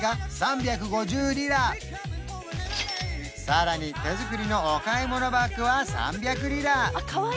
さらに手作りのお買い物バッグは３００リラ